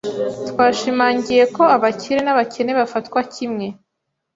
Twashimangiye ko abakire n'abakene bafatwa kimwe.